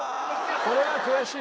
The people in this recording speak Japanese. これは悔しいね。